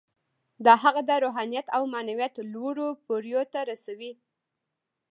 دا هغه د روحانیت او معنویت لوړو پوړیو ته رسوي